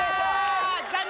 残念！